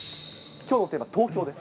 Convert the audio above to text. きょうのテーマ、東京です。